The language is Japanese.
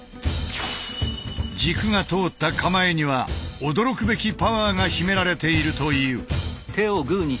軸が通った構えには驚くべきパワーが秘められているという。